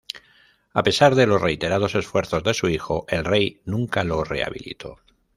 A pesar de los reiterados esfuerzos de su hijo el rey nunca lo rehabilitó.